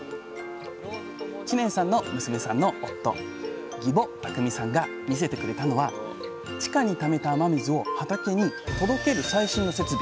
知念さんの娘さんの夫儀保巧さんが見せてくれたのは地下にためた雨水を畑に届ける最新の設備。